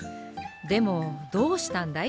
でもどうしたんだい？